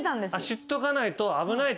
知っとかないと危ない？